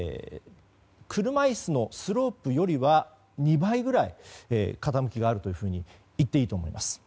車椅子のスロープよりは２倍ぐらい傾きがあると言っていいと思います。